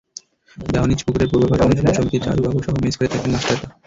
দেওয়ানিজ পুকুরের পূর্ব পাড়ে অনুশীলন সমিতির চারু বাবুসহ মেস করে থাকতেন মাস্টারদা।